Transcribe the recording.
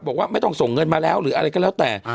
บอกว่าไม่ต้องส่งเงินมาแล้วหรืออะไรก็แล้วแต่